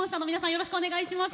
よろしくお願いします。